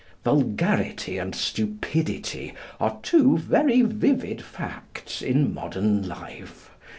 Vulgarity and stupidity are two very vivid facts in modern life.